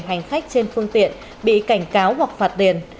hành khách trên phương tiện bị cảnh cáo hoặc phạt tiền